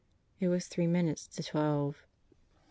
It was three minutes to twelve.